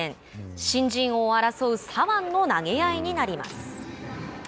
新人王を争う左腕の投げ合いになります。